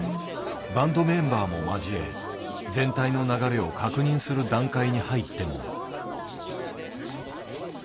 バンドメンバーも交え全体の流れを確認する段階に入っても。